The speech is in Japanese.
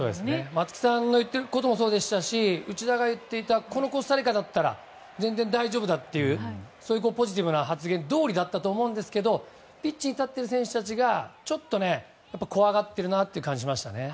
松木さんが言っていることもそうでしたし内田が言っていたこのコスタリカだったら全然大丈夫だというそういうポジティブな発言どおりだったと思うんですがピッチに立っている選手たちがちょっと怖がっているなという感じがしましたね。